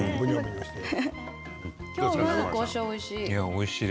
おいしい。